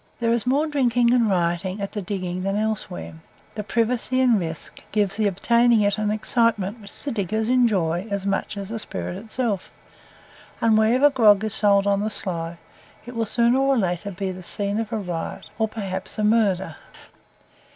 There is more drinking and rioting at the diggings than elsewhere, the privacy and risk gives the obtaining it an excitement which the diggers enjoy as much as the spirit itself; and wherever grog is sold on the sly, it will sooner or later be the scene of a riot, or perhaps murder.